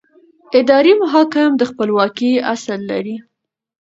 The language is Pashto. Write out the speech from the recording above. اداري محاکم د خپلواکۍ اصل لري.